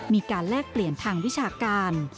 แลกเปลี่ยนทางวิชาการ